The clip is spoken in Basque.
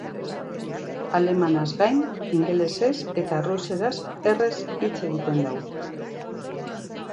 Alemanez gain, ingelesez eta errusieraz erraz hitz egiten du.